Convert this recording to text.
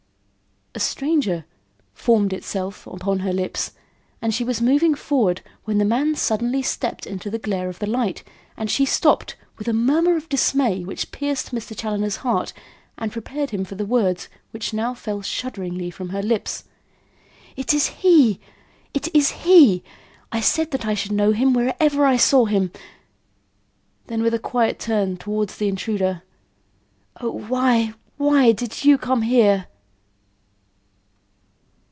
"A stranger," formed itself upon her lips, and she was moving forward, when the man suddenly stepped into the glare of the light, and she stopped, with a murmur of dismay which pierced Mr. Challoner's heart and prepared him for the words which now fell shudderingly from her lips: "It is he! it is he! I said that I should know him wherever I saw him." Then with a quiet turn towards the intruder, "Oh, why, why, did you come here!"